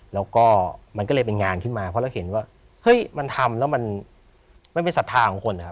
แล้วก็มันก็เลยเป็นงานขึ้นมาเพราะเราเห็นว่าเฮ้ยมันทำแล้วมันเป็นศรัทธาของคนนะครับ